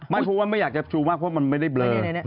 ไม่เพราะว่าไม่อยากจะชูมากเพราะมันไม่ได้เบรก